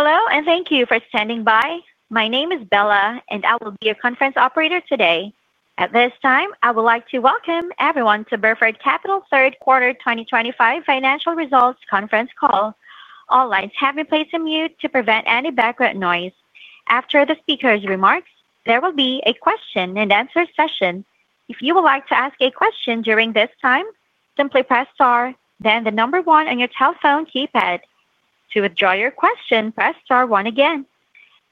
Hello, and thank you for standing by. My name is Bella, and I will be your conference operator today. At this time, I would like to welcome everyone to Burford Capital's Third Quarter 2025 financial results conference call. All lines have been placed on mute to prevent any background noise. After the speaker's remarks, there will be a question-and-answer session. If you would like to ask a question during this time, simply press Star, then the number one on your telephone keypad. To withdraw your question, press Star one again.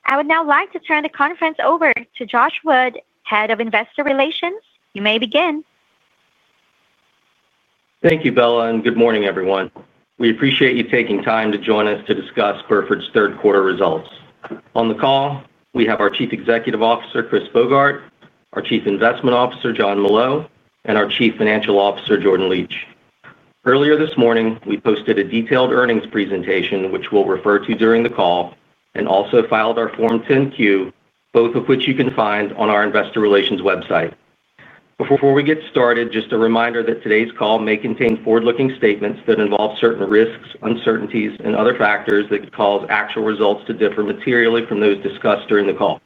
I would now like to turn the conference over to Josh Wood, Head of Investor Relations. You may begin. Thank you, Bella, and good morning, everyone. We appreciate you taking time to join us to discuss Burford's third quarter results. On the call, we have our Chief Executive Officer, Chris Bogart, our Chief Investment Officer, Jon Molot, and our Chief Financial Officer, Jordan Licht. Earlier this morning, we posted a detailed earnings presentation, which we will refer to during the call, and also filed our Form 10-Q, both of which you can find on our Investor Relations website. Before we get started, just a reminder that today's call may contain forward-looking statements that involve certain risks, uncertainties, and other factors that could cause actual results to differ materially from those discussed during the call.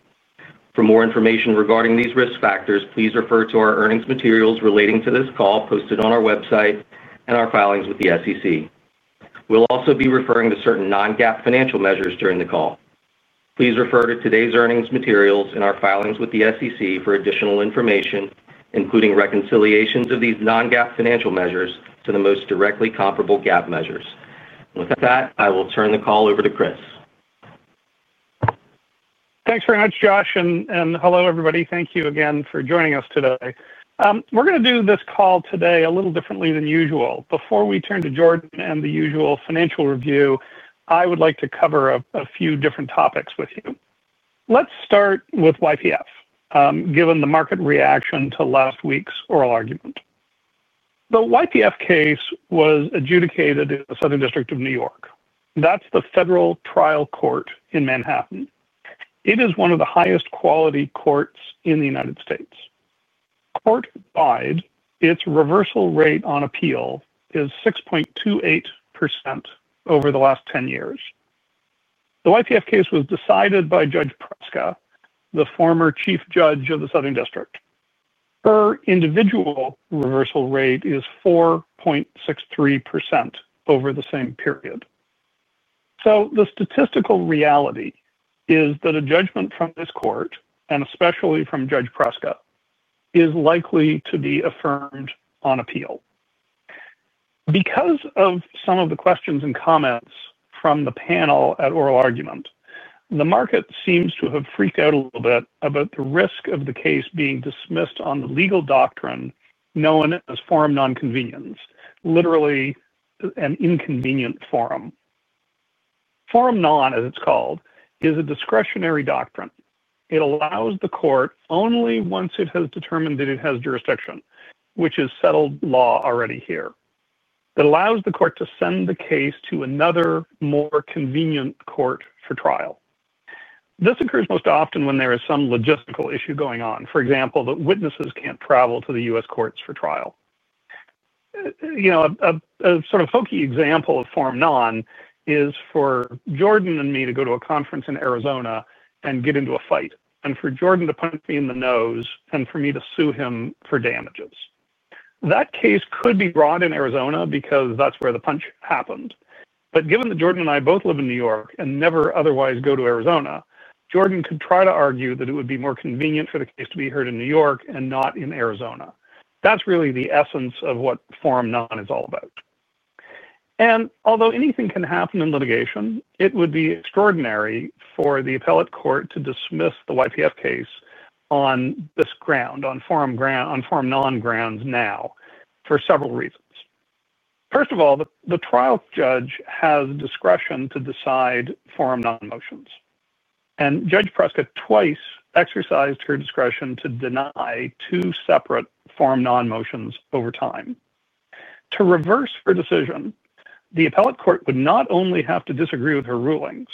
For more information regarding these risk factors, please refer to our earnings materials relating to this call posted on our website and our filings with the SEC. We'll also be referring to certain non-GAAP financial measures during the call. Please refer to today's earnings materials and our filings with the SEC for additional information, including reconciliations of these non-GAAP financial measures to the most directly comparable GAAP measures. With that, I will turn the call over to Chris. Thanks very much, Josh, and hello, everybody. Thank you again for joining us today. We're going to do this call today a little differently than usual. Before we turn to Jordan and the usual financial review, I would like to cover a few different topics with you. Let's start with YPF, given the market reaction to last week's oral argument. The YPF case was adjudicated in the Southern District of New York. That's the Federal Trial Court in Manhattan. It is one of the highest-quality courts in the United States. Court-wide, its reversal rate on appeal is 6.28% over the last 10 years. The YPF case was decided by Judge Preska, the former Chief Judge of the Southern District. Her individual reversal rate is 4.63% over the same period. The statistical reality is that a judgment from this court, and especially from Judge Preska, is likely to be affirmed on appeal. Because of some of the questions and comments from the panel at oral argument, the market seems to have freaked out a little bit about the risk of the case being dismissed on the legal doctrine known as forum non conveniens, literally. An inconvenient forum. Forum non, as it's called, is a discretionary doctrine. It allows the court only once it has determined that it has jurisdiction, which is settled law already here. It allows the court to send the case to another, more convenient court for trial. This occurs most often when there is some logistical issue going on. For example, the witnesses can't travel to the U.S. courts for trial. A sort of hokey example of forum non is for Jordan and me to go to a conference in Arizona and get into a fight, and for Jordan to punch me in the nose and for me to sue him for damages. That case could be brought in Arizona because that's where the punch happened. Given that Jordan and I both live in New York and never otherwise go to Arizona, Jordan could try to argue that it would be more convenient for the case to be heard in New York and not in Arizona. That's really the essence of what forum non is all about. Although anything can happen in litigation, it would be extraordinary for the appellate court to dismiss the YPF case on this ground, on forum non grounds now, for several reasons. First of all, the trial judge has discretion to decide forum non motions. Judge Preska twice exercised her discretion to deny two separate forum non motions over time. To reverse her decision, the appellate court would not only have to disagree with her rulings,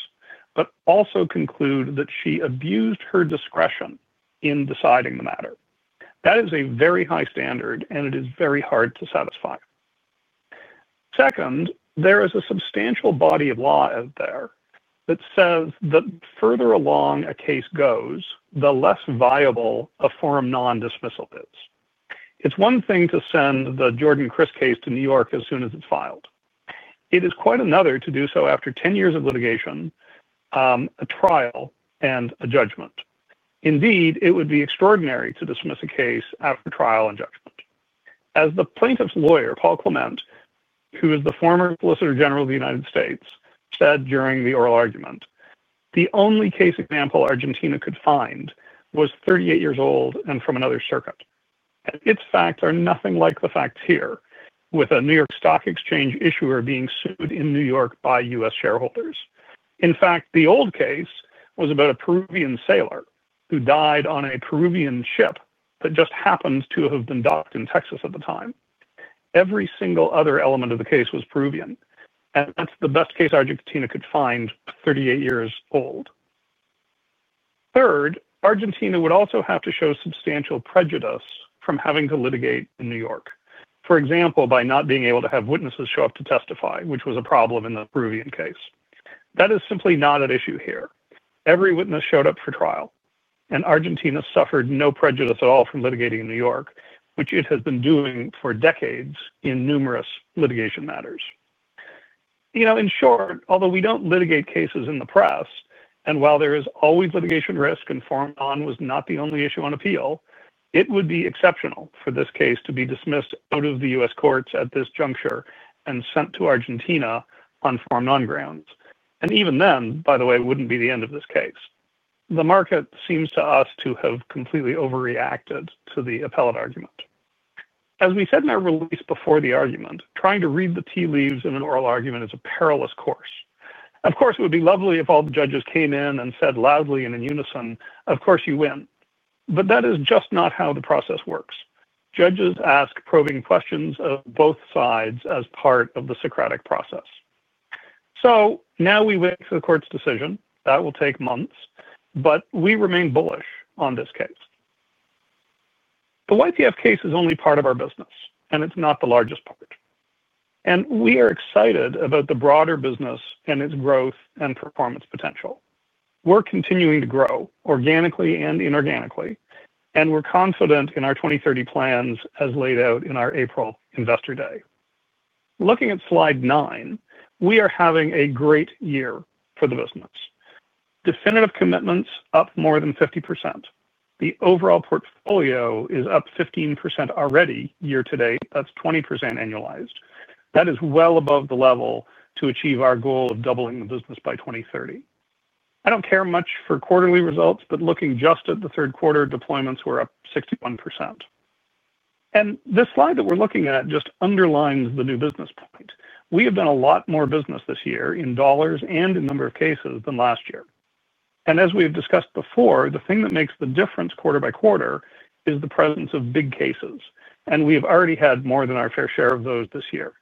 but also conclude that she abused her discretion in deciding the matter. That is a very high standard, and it is very hard to satisfy. Second, there is a substantial body of law out there that says that the further along a case goes, the less viable a forum non dismissal is. It's one thing to send the Jordan Chris case to New York as soon as it's filed. It is quite another to do so after 10 years of litigation, a trial, and a judgment. Indeed, it would be extraordinary to dismiss a case after trial and judgment. As the plaintiff's lawyer, Paul Clement, who is the former Solicitor General of the United States, said during the oral argument, the only case example Argentina could find was 38 years old and from another circuit. Its facts are nothing like the facts here, with a New York Stock Exchange issuer being sued in New York by U.S. shareholders. In fact, the old case was about a Peruvian sailor who died on a Peruvian ship that just happened to have been docked in Texas at the time. Every single other element of the case was Peruvian. That is the best case Argentina could find, 38 years old. Third, Argentina would also have to show substantial prejudice from having to litigate in New York, for example, by not being able to have witnesses show up to testify, which was a problem in the Peruvian case. That is simply not an issue here. Every witness showed up for trial, and Argentina suffered no prejudice at all from litigating in New York, which it has been doing for decades in numerous litigation matters. In short, although we do not litigate cases in the press, and while there is always litigation risk, and forum non was not the only issue on appeal, it would be exceptional for this case to be dismissed out of the U.S. courts at this juncture and sent to Argentina on forum non grounds. Even then, by the way, would not be the end of this case. The market seems to us to have completely overreacted to the appellate argument. As we said in our release before the argument, trying to read the tea leaves in an oral argument is a perilous course. Of course, it would be lovely if all the judges came in and said loudly and in unison, "Of course you win." That is just not how the process works. Judges ask probing questions of both sides as part of the Socratic process. Now we wait for the court's decision. That will take months. We remain bullish on this case. The YPF case is only part of our business, and it is not the largest part. We are excited about the broader business and its growth and performance potential. We are continuing to grow organically and inorganically, and we are confident in our 2030 plans as laid out in our April Investor Day. Looking at slide nine, we are having a great year for the business. Definitive commitments up more than 50%. The overall portfolio is up 15% already year to date. That is 20% annualized. That is well above the level to achieve our goal of doubling the business by 2030. I do not care much for quarterly results, but looking just at the third quarter, deployments were up 61%. This slide that we are looking at just underlines the new business point. We have done a lot more business this year in dollars and in number of cases than last year. As we have discussed before, the thing that makes the difference quarter by quarter is the presence of big cases. We have already had more than our fair share of those this year.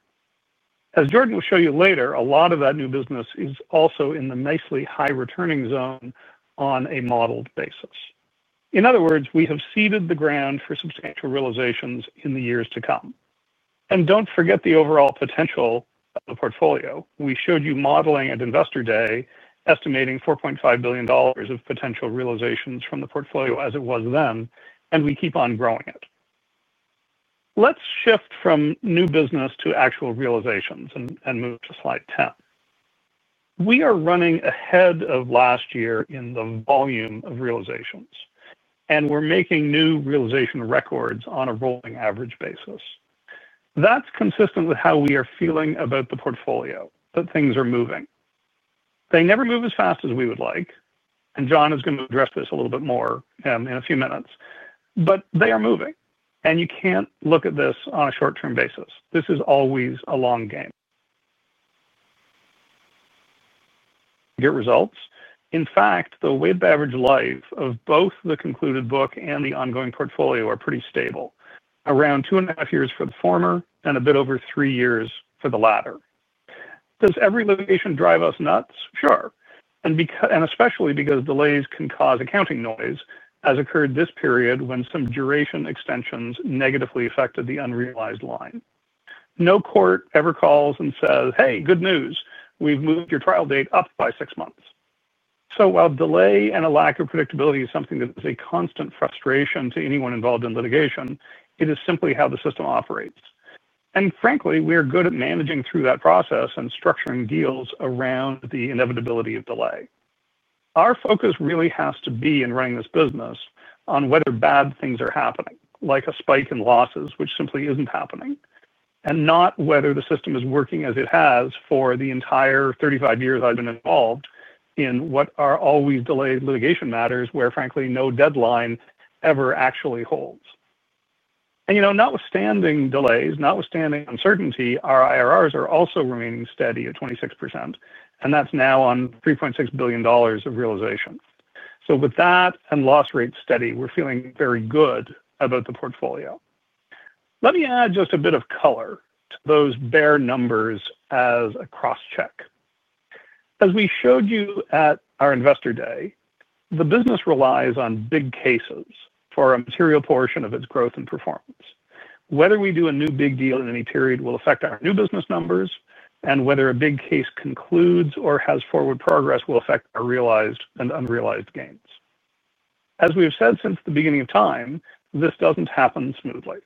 As Jordan will show you later, a lot of that new business is also in the nicely high returning zone on a modeled basis. In other words, we have seeded the ground for substantial realizations in the years to come. Do not forget the overall potential of the portfolio. We showed you modeling at Investor Day estimating $4.5 billion of potential realizations from the portfolio as it was then, and we keep on growing it. Let's shift from new business to actual realizations and move to slide 10. We are running ahead of last year in the volume of realizations, and we're making new realization records on a rolling average basis. That's consistent with how we are feeling about the portfolio, that things are moving. They never move as fast as we would like, and Jon is going to address this a little bit more in a few minutes. They are moving, and you can't look at this on a short-term basis. This is always a long game. Get results. In fact, the weighted-average life of both the concluded book and the ongoing portfolio are pretty stable, around two and a half years for the former and a bit over three years for the latter. Does every litigation drive us nuts? Sure. Especially because delays can cause accounting noise, as occurred this period when some duration extensions negatively affected the unrealized line. No court ever calls and says, "Hey, good news. We've moved your trial date up by six months." While delay and a lack of predictability is something that is a constant frustration to anyone involved in litigation, it is simply how the system operates. Frankly, we are good at managing through that process and structuring deals around the inevitability of delay. Our focus really has to be in running this business on whether bad things are happening, like a spike in losses, which simply is not happening, and not whether the system is working as it has for the entire 35 years I have been involved in what are always delayed litigation matters where, frankly, no deadline ever actually holds. Notwithstanding delays, notwithstanding uncertainty, our IRRs are also remaining steady at 26%, and that is now on $3.6 billion of realization. With that and loss rates steady, we are feeling very good about the portfolio. Let me add just a bit of color to those bare numbers as a cross-check. As we showed you at our Investor Day, the business relies on big cases for a material portion of its growth and performance. Whether we do a new big deal in any period will affect our new business numbers, and whether a big case concludes or has forward progress will affect our realized and unrealized gains. As we have said since the beginning of time, this does not happen smoothly.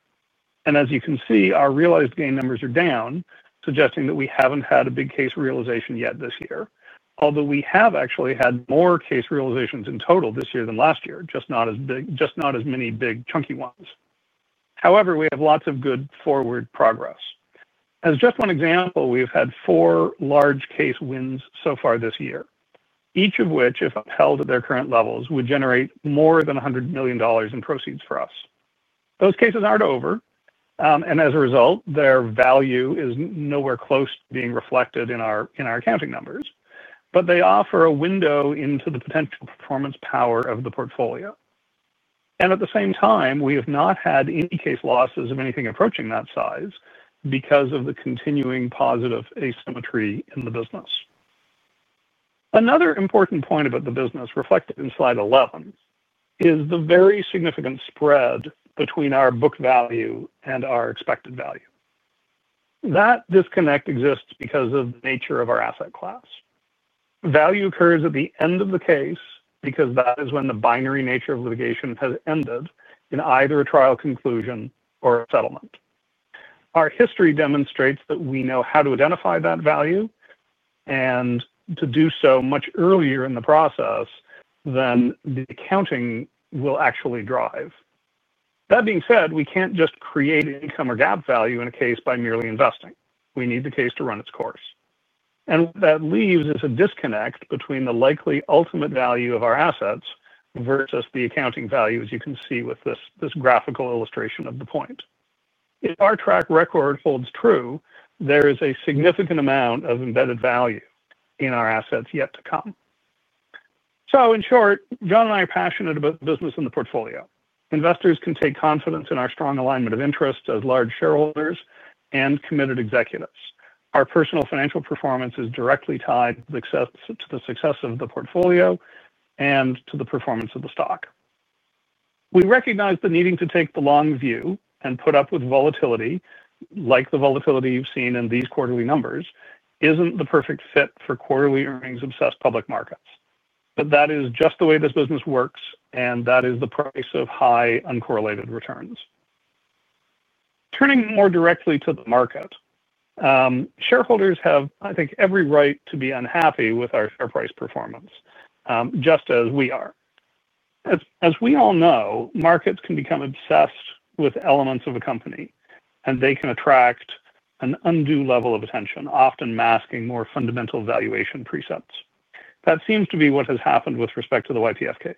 As you can see, our realized gain numbers are down, suggesting that we have not had a big case realization yet this year, although we have actually had more case realizations in total this year than last year, just not as many big chunky ones. However, we have lots of good forward progress. As just one example, we have had four large case wins so far this year, each of which, if upheld at their current levels, would generate more than $100 million in proceeds for us. Those cases are not over. As a result, their value is nowhere close to being reflected in our accounting numbers, but they offer a window into the potential performance power of the portfolio. At the same time, we have not had any case losses of anything approaching that size because of the continuing positive asymmetry in the business. Another important point about the business reflected in slide 11 is the very significant spread between our book value and our expected value. That disconnect exists because of the nature of our asset class. Value occurs at the end of the case because that is when the binary nature of litigation has ended in either a trial conclusion or a settlement. Our history demonstrates that we know how to identify that value. To do so much earlier in the process than the accounting will actually drive. That being said, we can't just create income or GAAP value in a case by merely investing. We need the case to run its course. What that leaves is a disconnect between the likely ultimate value of our assets versus the accounting value, as you can see with this graphical illustration of the point. If our track record holds true, there is a significant amount of embedded value in our assets yet to come. In short, Jon and I are passionate about the business and the portfolio. Investors can take confidence in our strong alignment of interests as large shareholders and committed executives. Our personal financial performance is directly tied to the success of the portfolio and to the performance of the stock. We recognize the needing to take the long view and put up with volatility, like the volatility you've seen in these quarterly numbers, is not the perfect fit for quarterly earnings-obsessed public markets. That is just the way this business works, and that is the price of high uncorrelated returns. Turning more directly to the market. Shareholders have, I think, every right to be unhappy with our share price performance, just as we are. As we all know, markets can become obsessed with elements of a company, and they can attract an undue level of attention, often masking more fundamental valuation precepts. That seems to be what has happened with respect to the YPF case.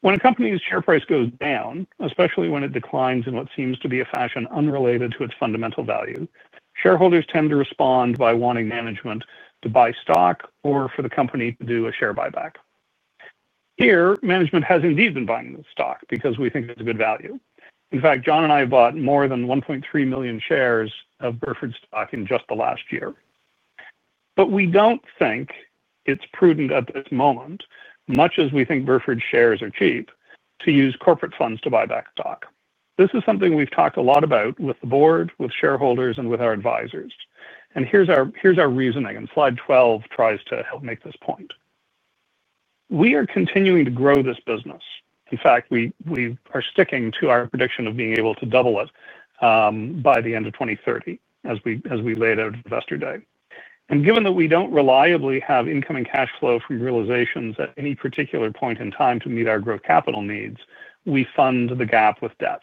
When a company's share price goes down, especially when it declines in what seems to be a fashion unrelated to its fundamental value, shareholders tend to respond by wanting management to buy stock or for the company to do a share buyback. Here, management has indeed been buying the stock because we think it's a good value. In fact, Jon and I bought more than 1.3 million shares of Burford stock in just the last year. We don't think it's prudent at this moment, much as we think Burford's shares are cheap, to use corporate funds to buy back stock. This is something we've talked a lot about with the board, with shareholders, and with our advisors. Here's our reasoning, and slide 12 tries to help make this point. We are continuing to grow this business. In fact, we are sticking to our prediction of being able to double it. By the end of 2030, as we laid out at Investor Day. Given that we do not reliably have incoming cash flow from realizations at any particular point in time to meet our growth capital needs, we fund the gap with debt.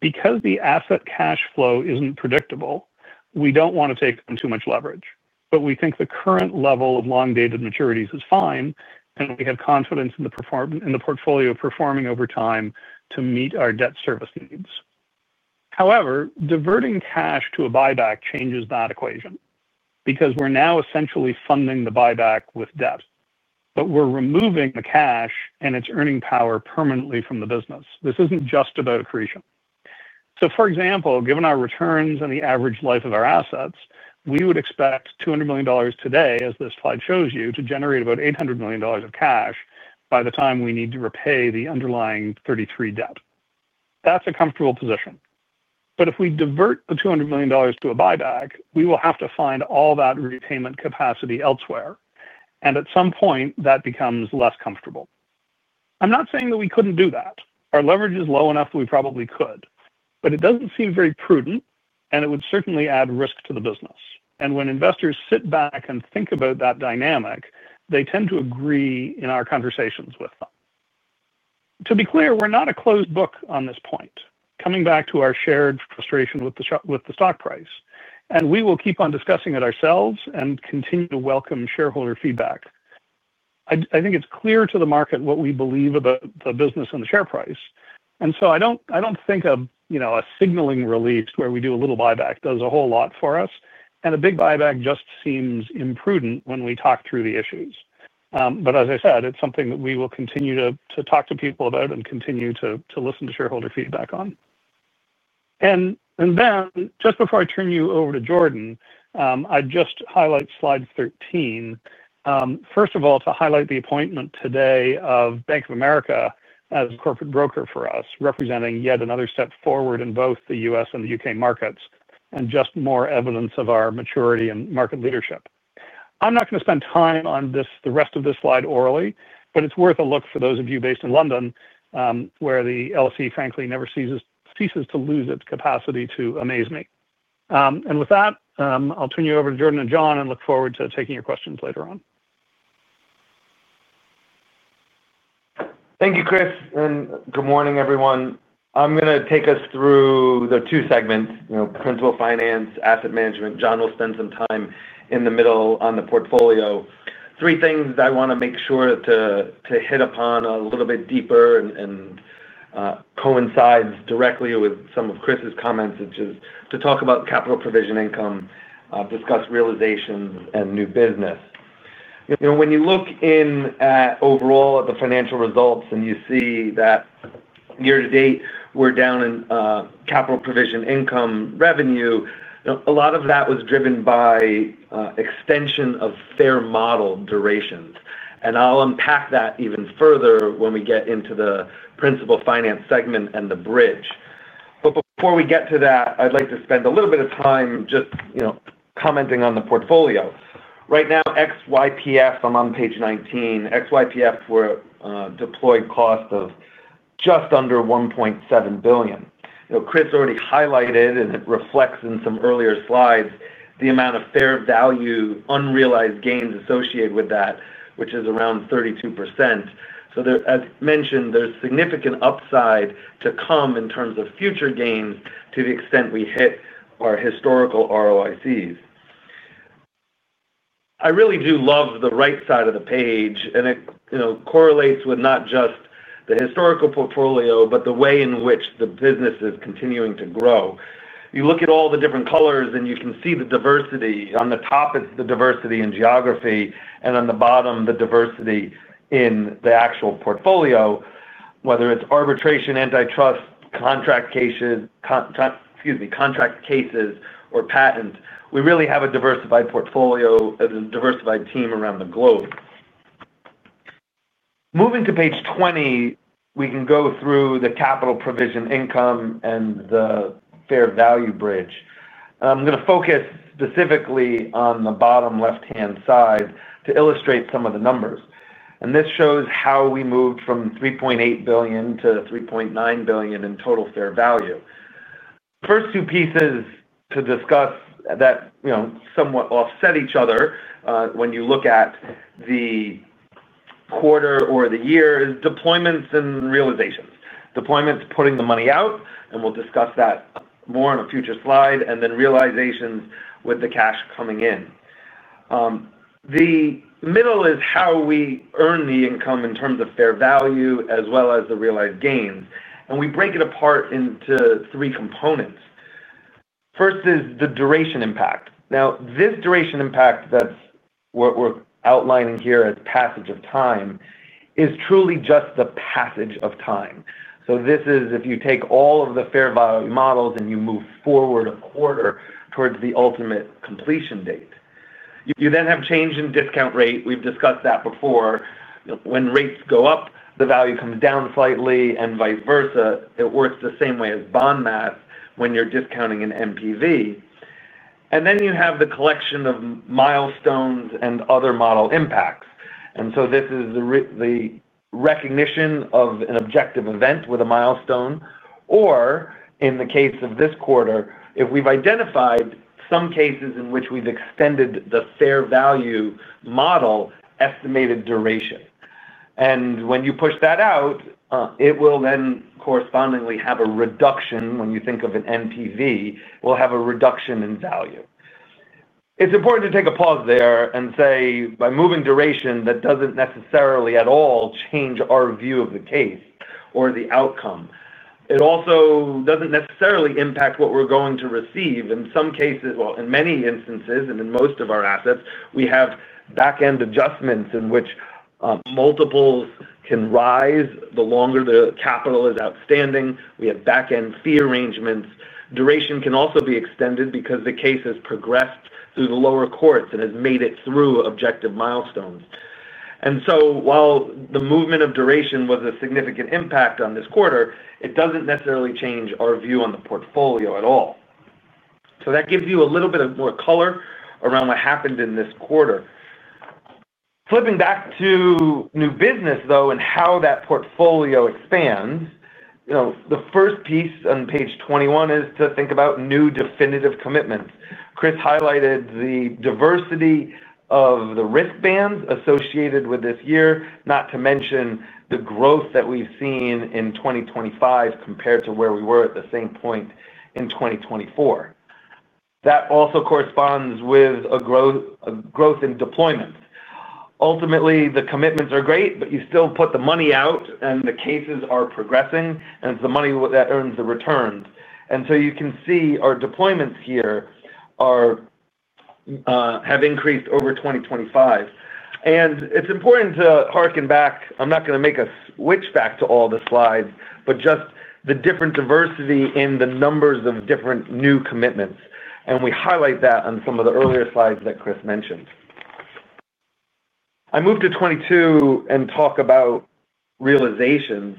Because the asset cash flow is not predictable, we do not want to take on too much leverage. We think the current level of long-dated maturities is fine, and we have confidence in the portfolio performing over time to meet our debt service needs. However, diverting cash to a buyback changes that equation because we are now essentially funding the buyback with debt. We are removing the cash and its earning power permanently from the business. This is not just about accretion. For example, given our returns and the average life of our assets, we would expect $200 million today, as this slide shows you, to generate about $800 million of cash by the time we need to repay the underlying 33 debt. That is a comfortable position. If we divert the $200 million to a buyback, we will have to find all that repayment capacity elsewhere. At some point, that becomes less comfortable. I am not saying that we could not do that. Our leverage is low enough that we probably could. It does not seem very prudent, and it would certainly add risk to the business. When investors sit back and think about that dynamic, they tend to agree in our conversations with them. To be clear, we are not a closed book on this point, coming back to our shared frustration with the stock price. We will keep on discussing it ourselves and continue to welcome shareholder feedback. I think it is clear to the market what we believe about the business and the share price. I do not think a signaling release where we do a little buyback does a whole lot for us. A big buyback just seems imprudent when we talk through the issues. As I said, it is something that we will continue to talk to people about and continue to listen to shareholder feedback on. Just before I turn you over to Jordan, I would highlight slide 13. First of all, to highlight the appointment today of Bank of America as corporate broker for us, representing yet another step forward in both the U.S. and the U.K. markets and just more evidence of our maturity and market leadership. I'm not going to spend time on the rest of this slide orally, but it's worth a look for those of you based in London, where the LSE, frankly, never ceases to lose its capacity to amaze me. With that, I'll turn you over to Jordan and Jon and look forward to taking your questions later on. Thank you, Chris. Good morning, everyone. I'm going to take us through the two segments: principal finance, asset management. Jon will spend some time in the middle on the portfolio. Three things that I want to make sure to hit upon a little bit deeper and coincide directly with some of Chris's comments, which is to talk about capital provision income, discuss realizations, and new business. When you look overall at the financial results and you see that. Year to date, we're down in capital provision income revenue, a lot of that was driven by extension of fair model durations. I'll unpack that even further when we get into the principal finance segment and the bridge. Before we get to that, I'd like to spend a little bit of time just commenting on the portfolio. Right now, ex-YPF, I'm on page 19, ex-YPF, we're deploying cost of just under $1.7 billion. Chris already highlighted, and it reflects in some earlier slides, the amount of fair value unrealized gains associated with that, which is around 32%. As mentioned, there's significant upside to come in terms of future gains to the extent we hit our historical ROICs. I really do love the right side of the page, and it correlates with not just the historical portfolio, but the way in which the business is continuing to grow. You look at all the different colors, and you can see the diversity. On the top, it's the diversity in geography, and on the bottom, the diversity in the actual portfolio, whether it's arbitration, antitrust, contract cases, or patents. We really have a diversified portfolio, a diversified team around the globe. Moving to page 20, we can go through the capital provision income and the fair value bridge. I'm going to focus specifically on the bottom left-hand side to illustrate some of the numbers. This shows how we moved from $3.8 billion-$3.9 billion in total fair value. The first two pieces to discuss that somewhat offset each other when you look at the quarter or the year are deployments and realizations. Deployments, putting the money out, and we'll discuss that more on a future slide, and then realizations with the cash coming in. The middle is how we earn the income in terms of fair value as well as the realized gains. We break it apart into three components. First is the duration impact. Now, this duration impact that we are outlining here as passage of time is truly just the passage of time. This is if you take all of the fair value models and you move forward a quarter towards the ultimate completion date. You then have change in discount rate. We have discussed that before. When rates go up, the value comes down slightly and vice versa. It works the same way as bond math when you are discounting an MPV. You have the collection of milestones and other model impacts. This is the recognition of an objective event with a milestone. Or, in the case of this quarter, if we've identified some cases in which we've extended the fair value model estimated duration. When you push that out, it will then correspondingly have a reduction. When you think of an MPV, we'll have a reduction in value. It's important to take a pause there and say, by moving duration, that doesn't necessarily at all change our view of the case or the outcome. It also doesn't necessarily impact what we're going to receive. In some cases, in many instances, and in most of our assets, we have back-end adjustments in which multiples can rise the longer the capital is outstanding. We have back-end fee arrangements. Duration can also be extended because the case has progressed through the lower courts and has made it through objective milestones. While the movement of duration was a significant impact on this quarter, it does not necessarily change our view on the portfolio at all. That gives you a little bit more color around what happened in this quarter. Flipping back to new business, though, and how that portfolio expands, the first piece on page 21 is to think about new definitive commitments. Chris highlighted the diversity of the risk bands associated with this year, not to mention the growth that we have seen in 2025 compared to where we were at the same point in 2024. That also corresponds with a growth in deployments. Ultimately, the commitments are great, but you still put the money out, and the cases are progressing, and it is the money that earns the returns. You can see our deployments here have increased over 2025. It is important to hearken back—I am not going to make a switch back to all the slides—but just the different diversity in the numbers of different new commitments. We highlight that on some of the earlier slides that Chris mentioned. I move to 22 and talk about realizations.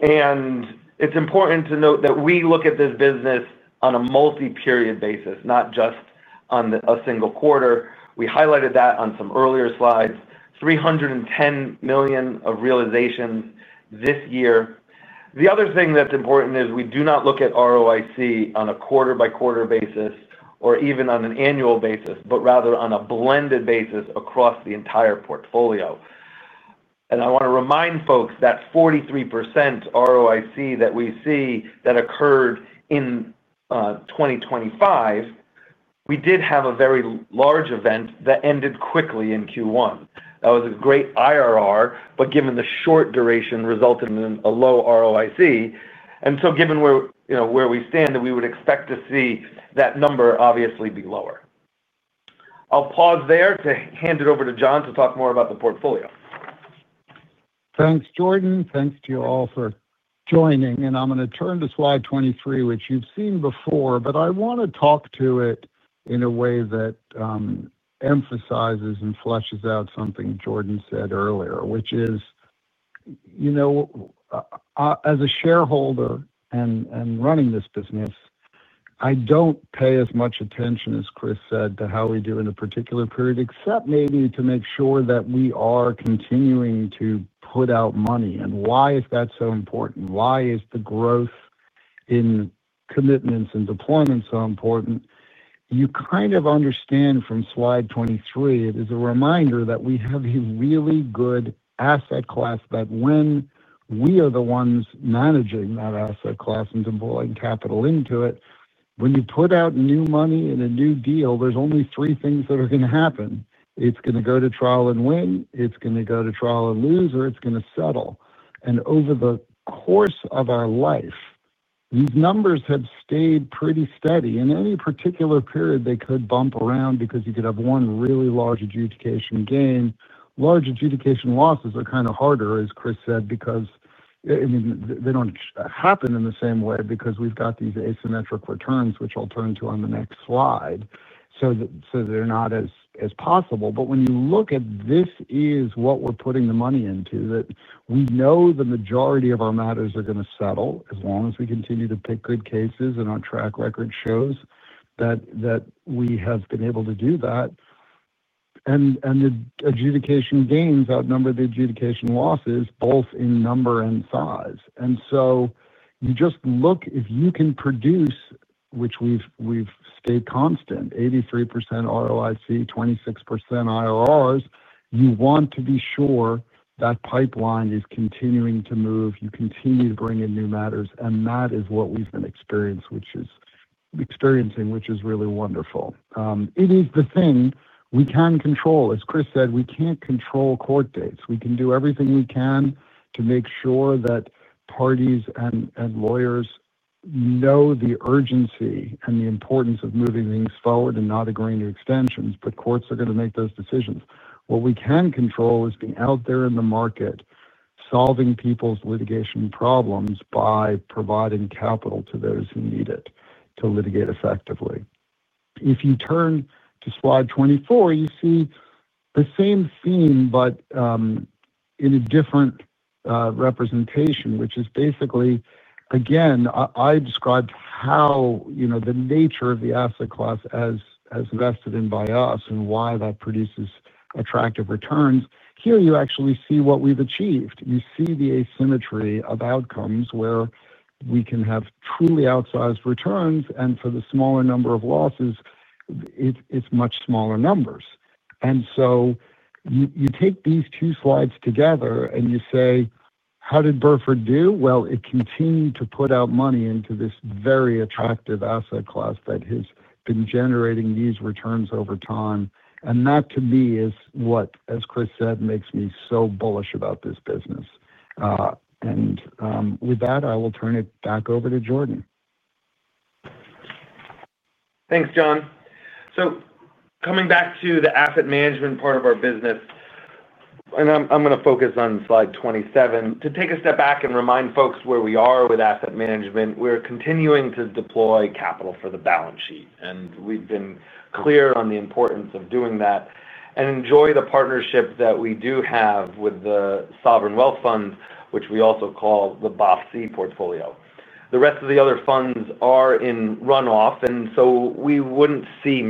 It is important to note that we look at this business on a multi-period basis, not just on a single quarter. We highlighted that on some earlier slides: $310 million of realizations this year. The other thing that is important is we do not look at ROIC on a quarter-by-quarter basis or even on an annual basis, but rather on a blended basis across the entire portfolio. I want to remind folks that 43% ROIC that we see that occurred in 2025. We did have a very large event that ended quickly in Q1. That was a great IRR, but given the short duration, resulted in a low ROIC. Given where we stand, we would expect to see that number obviously be lower. I'll pause there to hand it over to Jon to talk more about the portfolio. Thanks, Jordan. Thanks to you all for joining. I'm going to turn to slide 23, which you've seen before, but I want to talk to it in a way that emphasizes and fleshes out something Jordan said earlier, which is, as a shareholder and running this business, I don't pay as much attention, as Chris said, to how we do in a particular period, except maybe to make sure that we are continuing to put out money. Why is that so important? Why is the growth in commitments and deployments so important? You kind of understand from slide 23. It is a reminder that we have a really good asset class that when we are the ones managing that asset class and deploying capital into it, when you put out new money in a new deal, there are only three things that are going to happen. It is going to go to trial and win. It is going to go to trial and lose, or it is going to settle. Over the course of our life, these numbers have stayed pretty steady. In any particular period, they could bump around because you could have one really large adjudication gain. Large adjudication losses are kind of harder, as Chris said, because they do not happen in the same way because we have got these asymmetric returns, which I will turn to on the next slide, so they are not as possible. When you look at this is what we're putting the money into, that we know the majority of our matters are going to settle as long as we continue to pick good cases, and our track record shows that. We have been able to do that. The adjudication gains outnumber the adjudication losses, both in number and size. You just look if you can produce, which we've stayed constant, 83% ROIC, 26% IRRs, you want to be sure that pipeline is continuing to move. You continue to bring in new matters. That is what we've been experiencing, which is really wonderful. It is the thing we can control. As Chris said, we can't control court dates. We can do everything we can to make sure that. Parties and lawyers know the urgency and the importance of moving things forward and not agreeing to extensions, but courts are going to make those decisions. What we can control is being out there in the market. Solving people's litigation problems by providing capital to those who need it to litigate effectively. If you turn to slide 24, you see the same theme, but in a different representation, which is basically, again, I described how the nature of the asset class as invested in by us and why that produces attractive returns. Here, you actually see what we've achieved. You see the asymmetry of outcomes where we can have truly outsized returns, and for the smaller number of losses, it's much smaller numbers. And so. You take these two slides together and you say, "How did Burford do?" It continued to put out money into this very attractive asset class that has been generating these returns over time. That, to me, is what, as Chris said, makes me so bullish about this business. With that, I will turn it back over to Jordan. Thanks, Jon. Coming back to the asset management part of our business. I am going to focus on slide 27. To take a step back and remind folks where we are with asset management, we are continuing to deploy capital for the balance sheet. We have been clear on the importance of doing that and enjoy the partnership that we do have with the Sovereign Wealth Fund, which we also call the BOF-C portfolio. The rest of the other funds are in runoff, and we would not see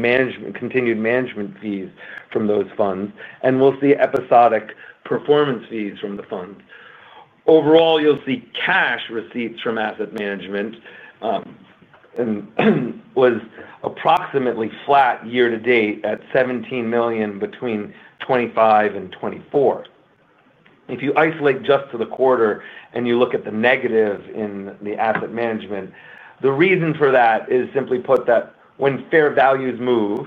continued management fees from those funds. We will see episodic performance fees from the funds. Overall, you will see cash receipts from asset management. It was approximately flat year to date at $17 million between 2025 and 2024. If you isolate just to the quarter and you look at the negative in the asset management, the reason for that is simply put that when fair values move,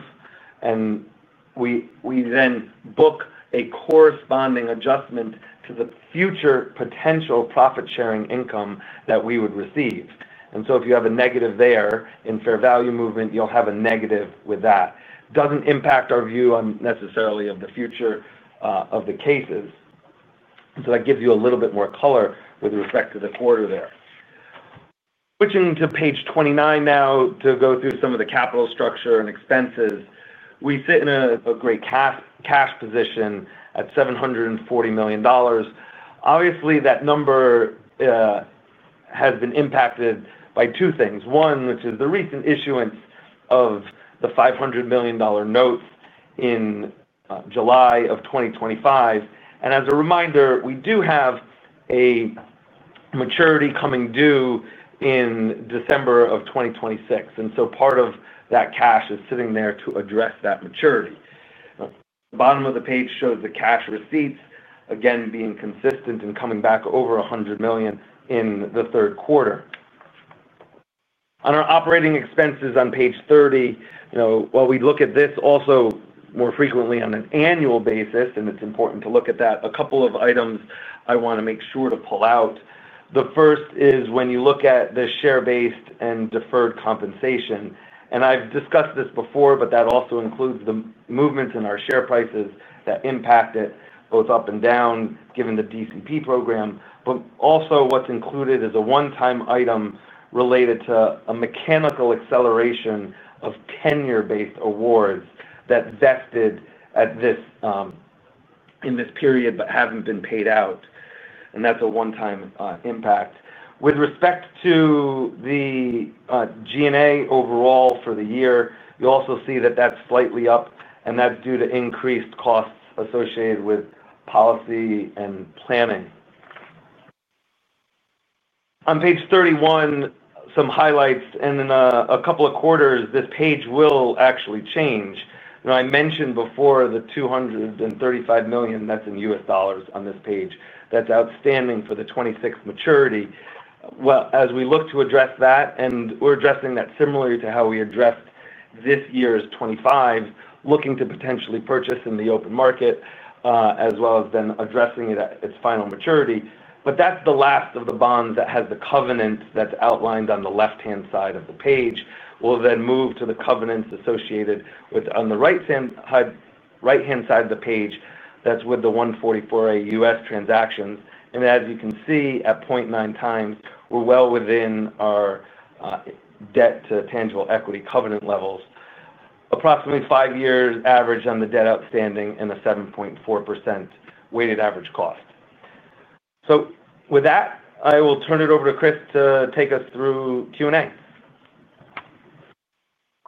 we then book a corresponding adjustment to the future potential profit-sharing income that we would receive. If you have a negative there in fair value movement, you will have a negative with that. It does not impact our view necessarily of the future of the cases. That gives you a little bit more color with respect to the quarter there. Switching to page 29 now to go through some of the capital structure and expenses. We sit in a great cash position at $740 million. Obviously, that number has been impacted by two things. One, which is the recent issuance of the $500 million notes in July of 2025. As a reminder, we do have a maturity coming due in December of 2026, and so part of that cash is sitting there to address that maturity. The bottom of the page shows the cash receipts, again, being consistent and coming back over $100 million in the third quarter. On our operating expenses on page 30, while we look at this also more frequently on an annual basis, and it is important to look at that, a couple of items I want to make sure to pull out. The first is when you look at the share-based and deferred compensation. I've discussed this before, but that also includes the movements in our share prices that impact it both up and down, given the DCP program. Also, what's included is a one-time item related to a mechanical acceleration of tenure-based awards that vested in this period but have not been paid out. That is a one-time impact. With respect to the G&A overall for the year, you'll also see that is slightly up, and that is due to increased costs associated with policy and planning. On page 31, some highlights. In a couple of quarters, this page will actually change. I mentioned before the $235 million that is in U.S. dollars on this page that is outstanding for the 2026 maturity. As we look to address that, we are addressing that similarly to how we addressed this year's 2025, looking to potentially purchase in the open market. As well as then addressing it at its final maturity. That is the last of the bonds that has the covenants outlined on the left-hand side of the page. We will then move to the covenants associated with the right-hand side of the page, that is with the 144A U.S. transactions. As you can see, at 0.9 times, we are well within our debt to tangible equity covenant levels, approximately five years average on the debt outstanding and a 7.4% weighted average cost. With that, I will turn it over to Chris to take us through Q&A.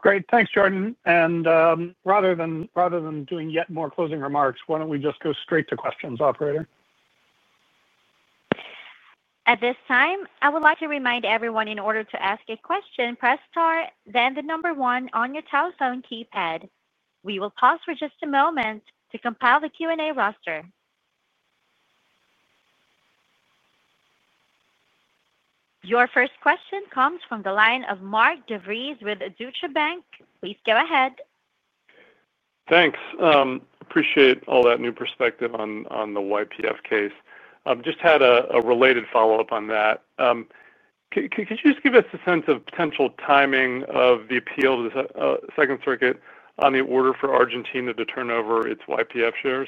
Great. Thanks, Jordan. Rather than doing yet more closing remarks, why do we not just go straight to questions, operator? At this time, I would like to remind everyone in order to ask a question, press star, then the number one on your telephone keypad. We will pause for just a moment to compile the Q&A roster. Your first question comes from the line of Mark DeVries with Deutsche Bank. Please go ahead. Thanks. Appreciate all that new perspective on the YPF case. Just had a related follow-up on that. Could you just give us a sense of potential timing of the appeal to the Second Circuit on the order for Argentina to turn over its YPF shares? Sure.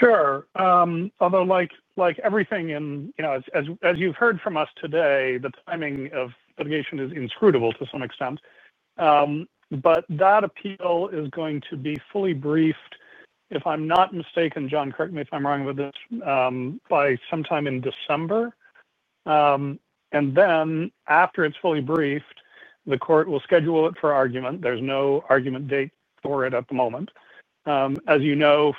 Although like everything in, as you've heard from us today, the timing of litigation is inscrutable to some extent. That appeal is going to be fully briefed, if I'm not mistaken. Jon, correct me if I'm wrong with this, by sometime in December. After it's fully briefed, the court will schedule it for argument. There is no argument date for it at the moment. As you know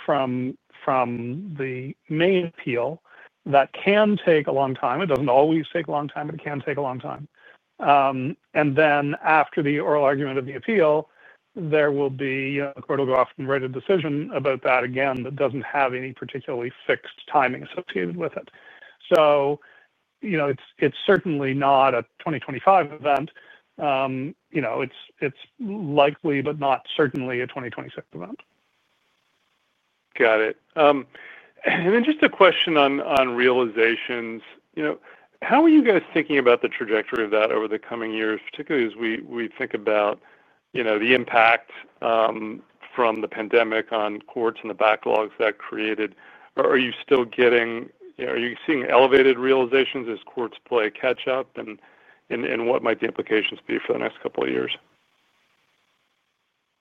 from. The main appeal, that can take a long time. It does not always take a long time, but it can take a long time. After the oral argument of the appeal, there will be a court-authored decision about that. Again, that does not have any particularly fixed timing associated with it. It is certainly not a 2025 event. It is likely, but not certainly, a 2026 event. Got it. Just a question on realizations. How are you guys thinking about the trajectory of that over the coming years, particularly as we think about the impact from the pandemic on courts and the backlogs that created? Are you still getting—are you seeing elevated realizations as courts play catch-up? What might the implications be for the next couple of years?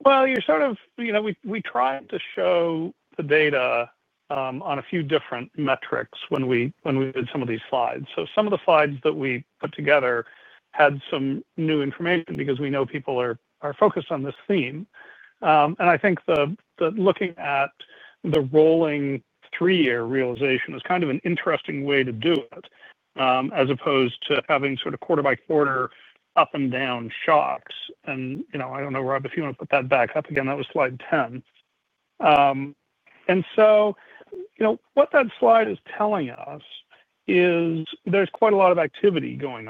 You are sort of—we tried to show the data. On a few different metrics when we did some of these slides. Some of the slides that we put together had some new information because we know people are focused on this theme. I think looking at the rolling three-year realization is kind of an interesting way to do it. As opposed to having sort of quarter-by-quarter up and down shocks. I do not know, Rob, if you want to put that back up again. That was slide 10. What that slide is telling us is there is quite a lot of activity going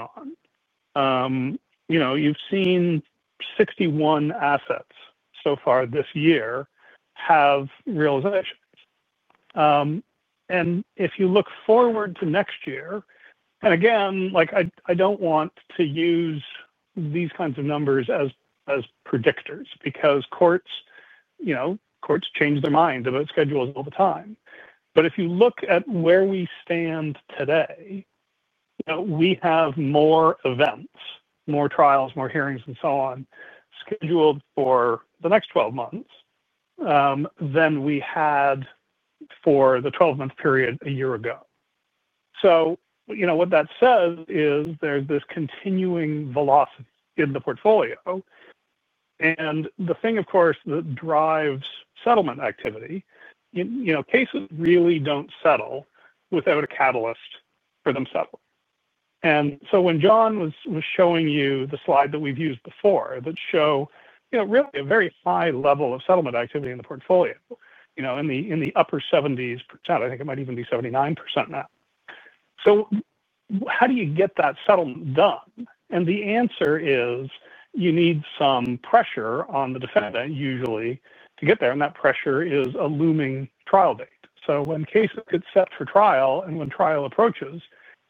on. You have seen 61 assets so far this year have realizations. If you look forward to next year—and again, I do not want to use these kinds of numbers as predictors because courts change their mind about schedules all the time. If you look at where we stand today. We have more events, more trials, more hearings, and so on scheduled for the next 12 months than we had for the 12-month period a year ago. What that says is there's this continuing velocity in the portfolio. The thing, of course, that drives settlement activity—cases really do not settle without a catalyst for themselves. When Jon was showing you the slide that we've used before that shows really a very high level of settlement activity in the portfolio, in the upper 70%, I think it might even be 79% now. How do you get that settlement done? The answer is you need some pressure on the defendant usually to get there. That pressure is a looming trial date. When cases get set for trial and when trial approaches,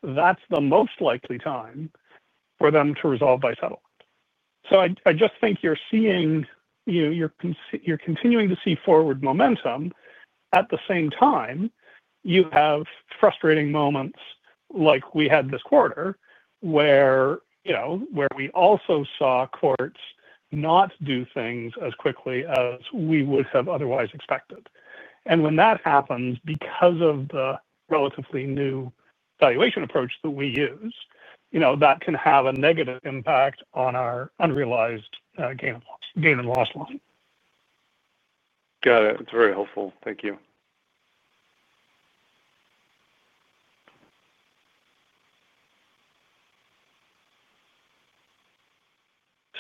that's the most likely time for them to resolve by settlement. I just think you're seeing. You're continuing to see forward momentum. At the same time, you have frustrating moments like we had this quarter where. We also saw courts not do things as quickly as we would have otherwise expected. When that happens, because of the relatively new valuation approach that we use, that can have a negative impact on our unrealized gain and loss line. Got it. That's very helpful. Thank you.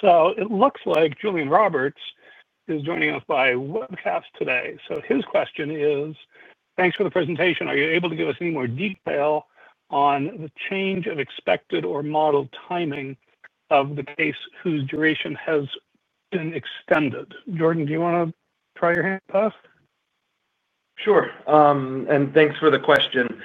It looks like Julian Roberts is joining us by webcast today. His question is, "Thanks for the presentation. Are you able to give us any more detail on the change of expected or model timing of the case whose duration has been extended?" Jordan, do you want to try your hand, Paz? Sure. Thanks for the question.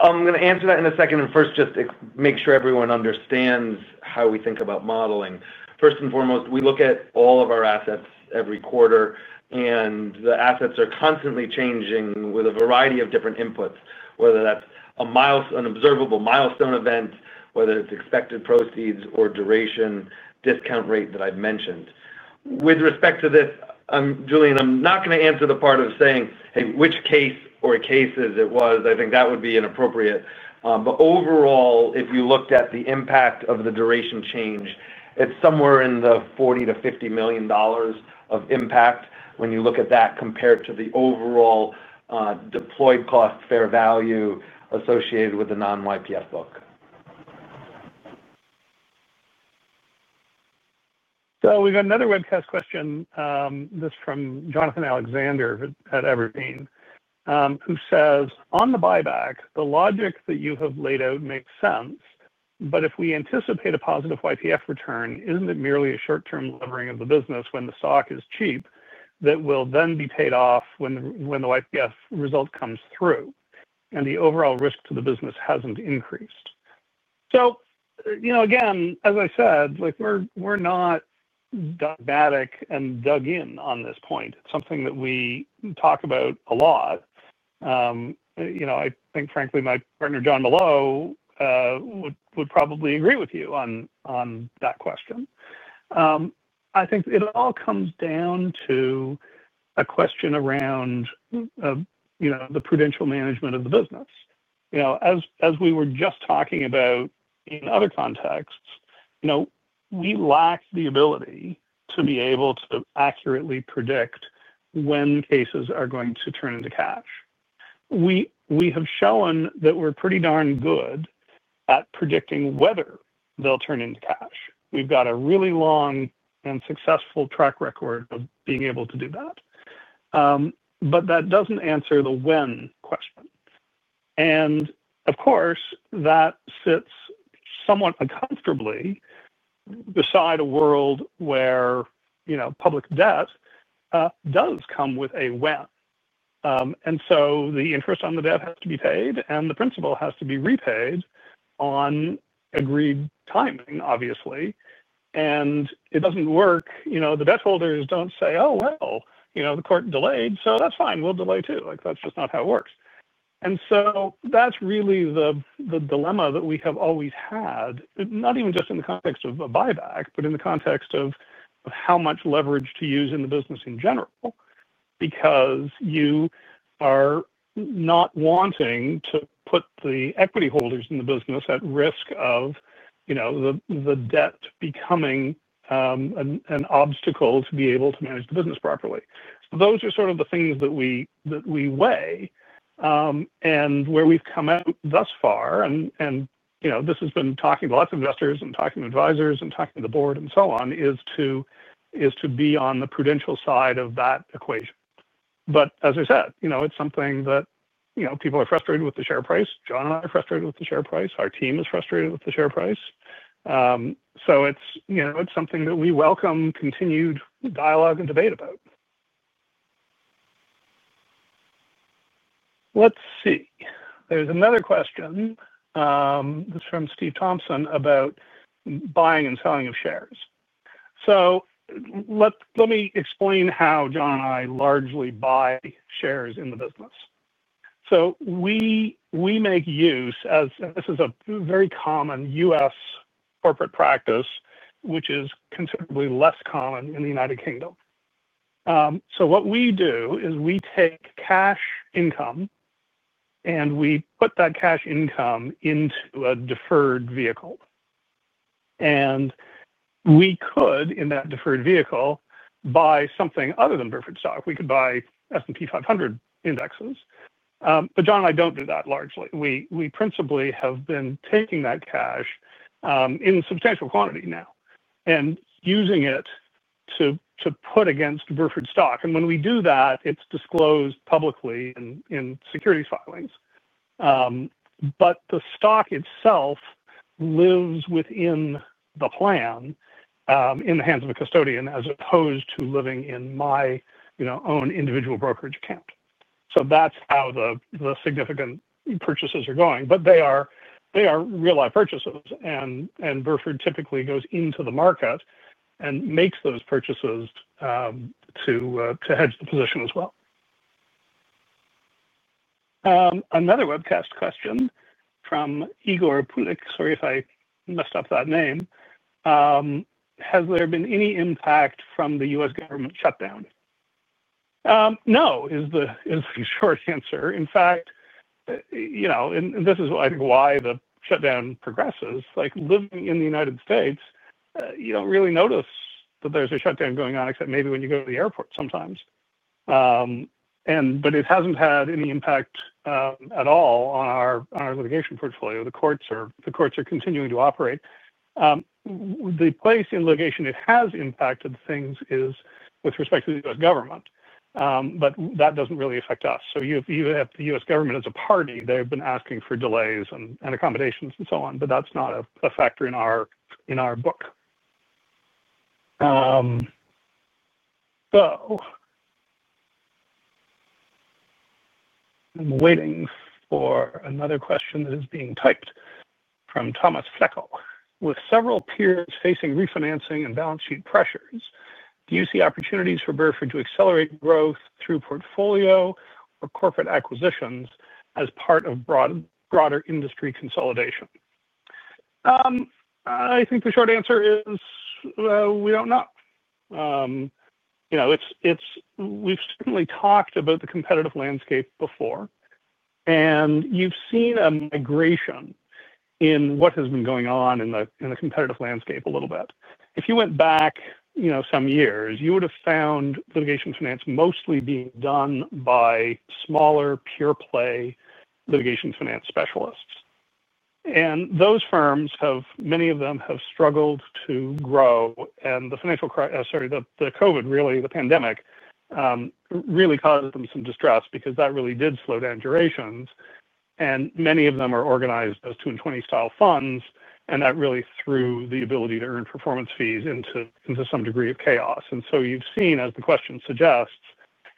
I'm going to answer that in a second. First, just make sure everyone understands how we think about modeling. First and foremost, we look at all of our assets every quarter, and the assets are constantly changing with a variety of different inputs, whether that's an observable milestone event, whether it's expected proceeds or duration discount rate that I've mentioned. With respect to this, Julian, I'm not going to answer the part of saying, "Hey, which case or cases it was?" I think that would be inappropriate. Overall, if you looked at the impact of the duration change, it's somewhere in the $40 million-$50 million of impact when you look at that compared to the overall deployed cost fair value associated with the non-YPF book. We've got another webcast question. This is from Jonathan Alexander at Aberdeen, who says, "On the buyback, the logic that you have laid out makes sense. If we anticipate a positive YPF return, isn't it merely a short-term levering of the business when the stock is cheap that will then be paid off when the YPF result comes through? The overall risk to the business has not increased. Again, as I said, we are not dogmatic and dug in on this point. It is something that we talk about a lot. I think, frankly, my partner, Jon Molot, would probably agree with you on that question. I think it all comes down to a question around the prudential management of the business. As we were just talking about in other contexts, we lack the ability to be able to accurately predict when cases are going to turn into cash. We have shown that we are pretty darn good at predicting whether they will turn into cash. We've got a really long and successful track record of being able to do that. That doesn't answer the when question. Of course, that sits somewhat uncomfortably beside a world where public debt does come with a when. The interest on the debt has to be paid, and the principal has to be repaid on agreed timing, obviously. It doesn't work. The debt holders don't say, "Oh, well, the court delayed, so that's fine. We'll delay too." That's just not how it works. That's really the dilemma that we have always had, not even just in the context of a buyback, but in the context of how much leverage to use in the business in general, because you are not wanting to put the equity holders in the business at risk of the debt becoming. An obstacle to be able to manage the business properly. Those are sort of the things that we weigh. Where we've come out thus far, and this has been talking to lots of investors and talking to advisors and talking to the board and so on, is to be on the prudential side of that equation. As I said, it's something that people are frustrated with the share price. Jon and I are frustrated with the share price. Our team is frustrated with the share price. It's something that we welcome continued dialogue and debate about. Let's see. There's another question. That's from Steve Thompson about buying and selling of shares. Let me explain how Jon and I largely buy shares in the business. We make use—this is a very common U.S. corporate practice, which is considerably less common in the United Kingdom. What we do is we take cash income, and we put that cash income into a deferred vehicle. We could, in that deferred vehicle, buy something other than Burford stock. We could buy S&P 500 indexes. Jon and I do not do that largely. We principally have been taking that cash, in substantial quantity now, and using it to put against Burford stock. When we do that, it is disclosed publicly in securities filings. The stock itself lives within the plan, in the hands of a custodian as opposed to living in my own individual brokerage account. That is how the significant purchases are going. They are real-life purchases, and Burford typically goes into the market and makes those purchases to hedge the position as well. Another webcast question from Igor Pulic. Sorry if I messed up that name. Has there been any impact from the U.S. government shutdown?" No is the short answer. In fact, and this is why the shutdown progresses. Living in the United States, you do not really notice that there is a shutdown going on except maybe when you go to the airport sometimes. It has not had any impact at all on our litigation portfolio. The courts are continuing to operate. The place in litigation it has impacted things is with respect to the U.S. government, but that does not really affect us. You have the U.S. government as a party. They have been asking for delays and accommodations and so on, but that is not a factor in our book. I am waiting for another question that is being typed from Thomas Feckle. With several peers facing refinancing and balance sheet pressures, do you see opportunities for Burford to accelerate growth through portfolio or corporate acquisitions as part of broader industry consolidation?" I think the short answer is. We do not know. We have certainly talked about the competitive landscape before. You have seen a migration in what has been going on in the competitive landscape a little bit. If you went back some years, you would have found litigation finance mostly being done by smaller pure-play litigation finance specialists. Those firms, many of them, have struggled to grow. The financial—sorry, the COVID, really, the pandemic. Really caused them some distress because that really did slow down durations. Many of them are organized as 2 and 20-style funds. That really threw the ability to earn performance fees into some degree of chaos. You have seen, as the question suggests,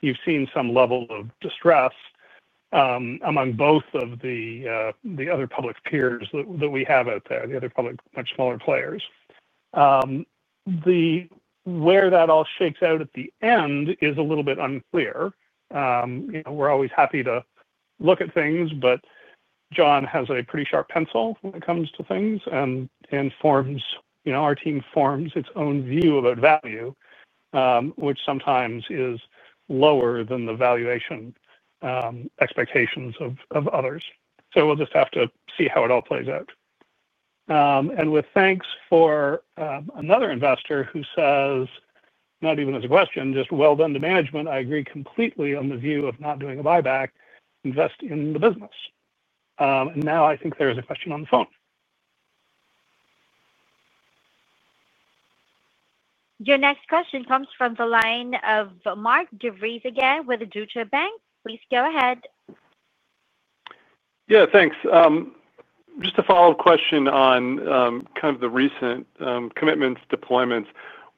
you have seen some level of distress among both of the other public peers that we have out there, the other public, much smaller players. Where that all shakes out at the end is a little bit unclear. We are always happy to look at things, but Jon has a pretty sharp pencil when it comes to things. Our team forms its own view about value, which sometimes is lower than the valuation expectations of others. We will just have to see how it all plays out. With thanks for another investor who says, "Not even as a question, just well-done to management, I agree completely on the view of not doing a buyback. Invest in the business." I think there is a question on the phone. Your next question comes from the line of Mark DeVries again with Deutsche Bank. Please go ahead. Yeah, thanks. Just a follow-up question on kind of the recent commitments, deployments,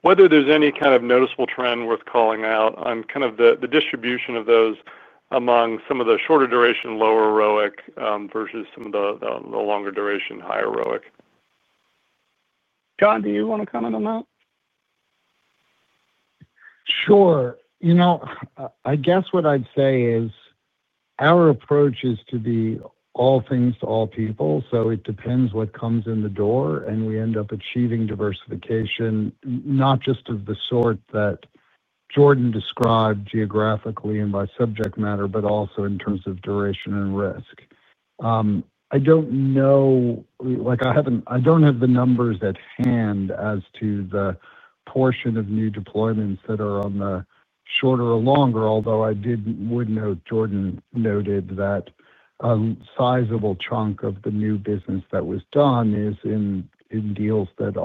whether there's any kind of noticeable trend worth calling out on kind of the distribution of those among some of the shorter duration, lower ROIC versus some of the longer duration, higher ROIC. Jon, do you want to comment on that? Sure. I guess what I'd say is. Our approach is to be all things to all people. It depends what comes in the door. We end up achieving diversification, not just of the sort that Jordan described geographically and by subject matter, but also in terms of duration and risk. I don't know. I don't have the numbers at hand as to the portion of new deployments that are on the shorter or longer, although I would note Jordan noted that a sizable chunk of the new business that was done is in deals that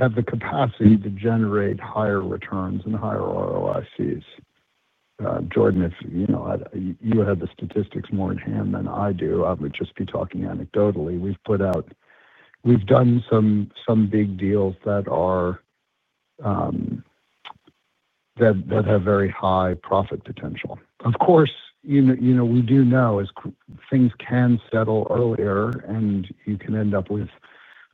have the capacity to generate higher returns and higher ROICs. Jordan, if you had the statistics more in hand than I do, I would just be talking anecdotally. We've put out, we've done some big deals that have very high profit potential. Of course, we do know as things can settle earlier, and you can end up with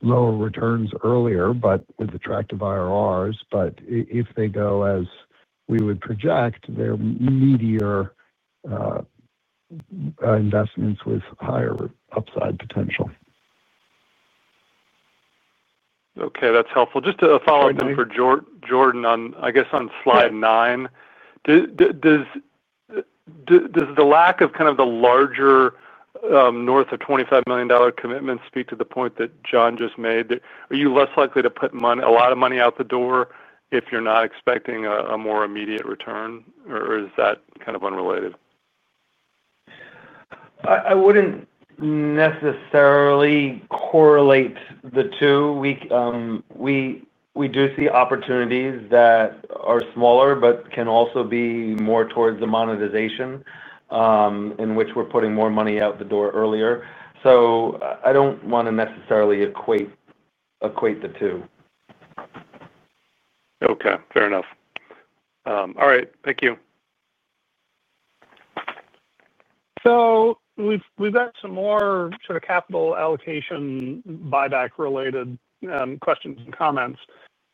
lower returns earlier with attractive IRRs. If they go as we would project, they're meatier investments with higher upside potential. Okay. That's helpful. Just a follow-up for Jordan, I guess, on slide nine. Does the lack of kind of the larger. North of $25 million commitment speak to the point that Jon just made? Are you less likely to put a lot of money out the door if you're not expecting a more immediate return, or is that kind of unrelated? I wouldn't necessarily correlate the two. We do see opportunities that are smaller but can also be more towards the monetization, in which we're putting more money out the door earlier. I don't want to necessarily equate the two. Okay. Fair enough. All right. Thank you. We've got some more sort of capital allocation buyback-related questions and comments.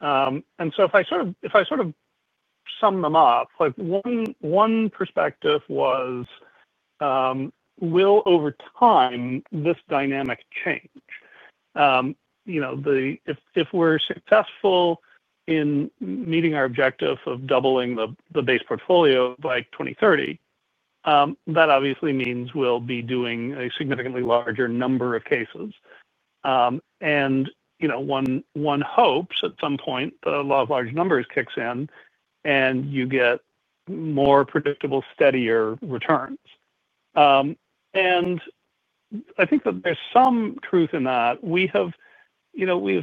If I sort of sum them up, one perspective was, will, over time, this dynamic change? If we're successful in meeting our objective of doubling the base portfolio by 2030, that obviously means we'll be doing a significantly larger number of cases. One hopes at some point the law of large numbers kicks in and you get more predictable, steadier returns. I think that there's some truth in that. We have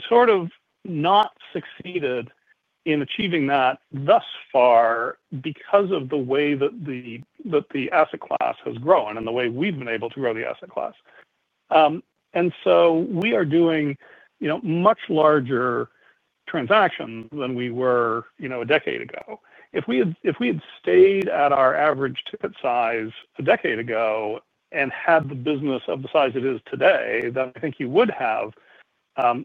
sort of not succeeded in achieving that thus far because of the way that the asset class has grown and the way we've been able to grow the asset class. We are doing much larger transactions than we were a decade ago. If we had stayed at our average ticket size a decade ago and had the business of the size it is today, then I think you would have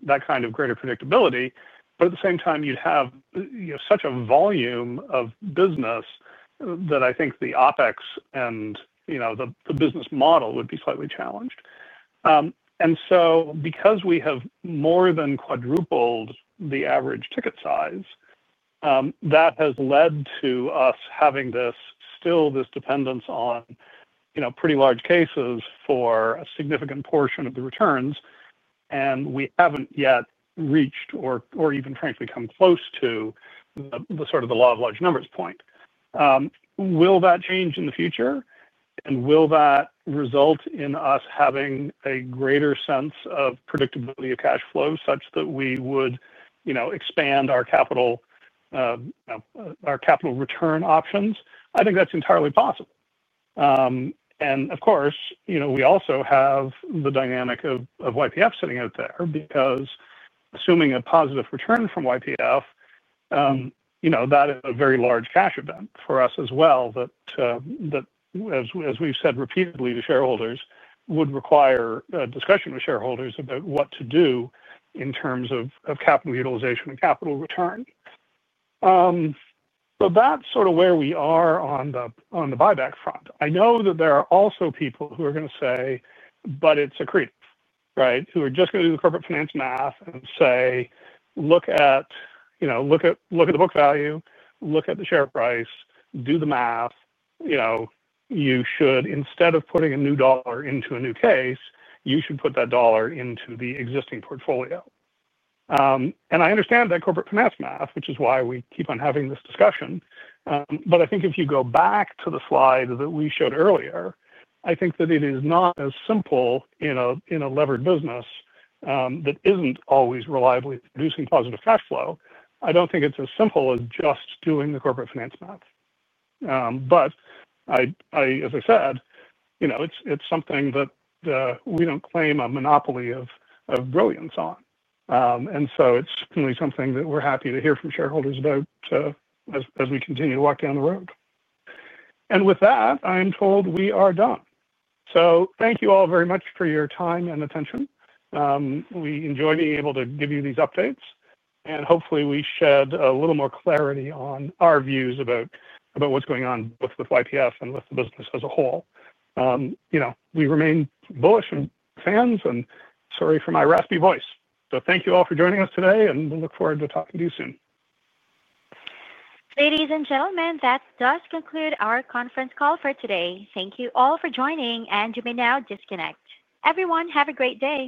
that kind of greater predictability. At the same time, you'd have such a volume of business that I think the OpEx and the business model would be slightly challenged. Because we have more than quadrupled the average ticket size, that has led to us having still this dependence on pretty large cases for a significant portion of the returns. We have not yet reached or even, frankly, come close to sort of the law of large numbers point. Will that change in the future? Will that result in us having a greater sense of predictability of cash flow such that we would expand our capital return options? I think that is entirely possible. Of course, we also have the dynamic of YPF sitting out there because assuming a positive return from YPF, that is a very large cash event for us as well that, as we have said repeatedly to shareholders, would require a discussion with shareholders about what to do in terms of capital utilization and capital return. That's sort of where we are on the buyback front. I know that there are also people who are going to say, "But it's accretive," right, who are just going to do the corporate finance math and say, "Look at the book value. Look at the share price. Do the math. You should, instead of putting a new dollar into a new case, put that dollar into the existing portfolio." I understand that corporate finance math, which is why we keep on having this discussion. I think if you go back to the slide that we showed earlier, it is not as simple in a levered business that is not always reliably producing positive cash flow. I do not think it is as simple as just doing the corporate finance math. As I said, it is something that. We do not claim a monopoly of brilliance on. It is certainly something that we are happy to hear from shareholders about as we continue to walk down the road. With that, I am told we are done. Thank you all very much for your time and attention. We enjoy being able to give you these updates, and hopefully, we shed a little more clarity on our views about what is going on with YPF and with the business as a whole. We remain bullish and fans. Sorry for my raspy voice. Thank you all for joining us today. We look forward to talking to you soon. Ladies and gentlemen, that does conclude our conference call for today. Thank you all for joining, and you may now disconnect. Everyone, have a great day.